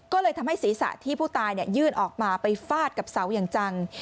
ก็เลยทำให้ศีรษะที่ผู้ตายยื่นออกมาไปฟาดกับเสาอย่างจัง